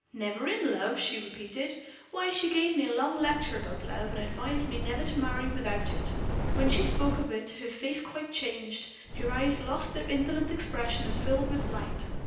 "Never in love!" she repeated. "Why, she gave me a long lecture about love, and advised me never to marry without it. When she spoke of it her face quite changed, her eyes lost their indolent expression and filled with light.